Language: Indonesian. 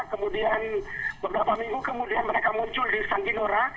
kemudian beberapa minggu kemudian mereka muncul di san kinora